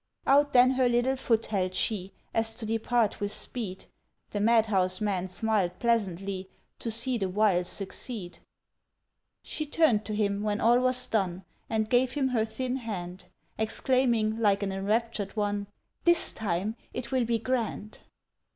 Out then her little foot held she, As to depart with speed; The madhouse man smiled pleasantly To see the wile succeed. She turned to him when all was done, And gave him her thin hand, Exclaiming like an enraptured one, "This time it will be grand!"